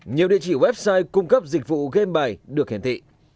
nhiều địa chỉ website cung cấp dịch vụ game bài được hiển thị